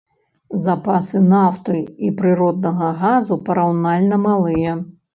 Запасы нафты і прыроднага газу параўнальна малыя.